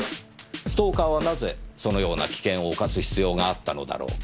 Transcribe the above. ストーカーはなぜそのような危険を冒す必要があったのだろうか？